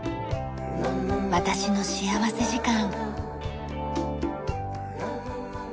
『私の幸福時間』。